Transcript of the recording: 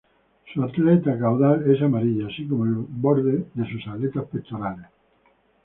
Su aleta caudal es amarilla, así como el borde de sus aletas pectorales.